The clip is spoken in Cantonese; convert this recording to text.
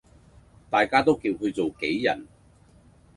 大家都叫佢做杞人